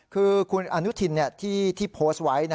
คือคุณอนุทินที่โพสต์ไว้